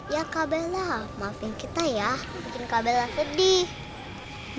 ya kak bella maafin kita ya bikin kak bella sedih